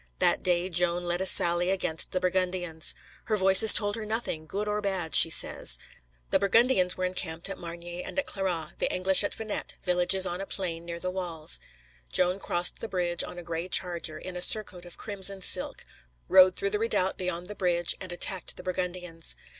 That day Joan led a sally against the Burgundians. Her Voices told her nothing, good or bad, she says. The Burgundians were encamped at Margny and at Clairoix, the English at Venette, villages on a plain near the walls. Joan crossed the bridge on a gray charger, in a surcoat of crimson silk, rode through the redoubt beyond the bridge, and attacked the Burgundians.